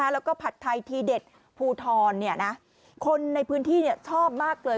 แล้วก็ผัดไทยทีเด็ดภูทรคนในพื้นที่ชอบมากเลย